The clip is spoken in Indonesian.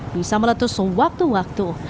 bisa meletus sewaktu waktu